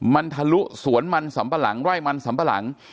มันทะลุสวนมันสำปะหลังไร่มันสำปะหลัง